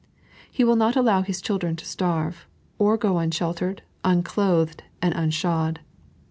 He will not allow His children to starve, or go unsheltered, unclothed, and unshod.